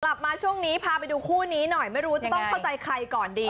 กลับมาช่วงนี้พาไปดูคู่นี้หน่อยไม่รู้จะต้องเข้าใจใครก่อนดี